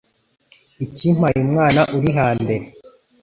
Ikimpaye umwana uri hambere